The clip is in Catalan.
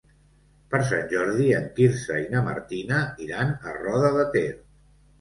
Per Sant Jordi en Quirze i na Martina iran a Roda de Ter.